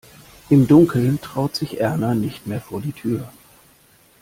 Im Dunkeln traut sich Erna nicht mehr vor die Tür.